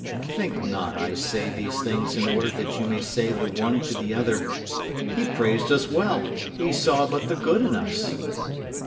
Think not I say these things in order that you may say the one to the other, "He praised us well. He saw but the good in us."